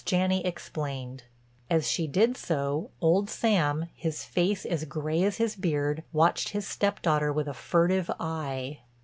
Janney explained. As she did so old Sam, his face as gray as his beard, watched his stepdaughter with a furtive eye.